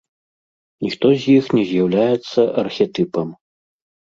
Ніхто з іх не з'яўляецца архетыпам.